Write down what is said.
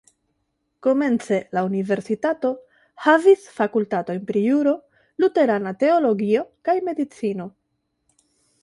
Komence la universitato havis fakultatojn pri juro, luterana teologio kaj medicino.